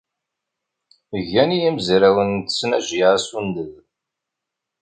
Gan yimezrawen n tesnajya asunded.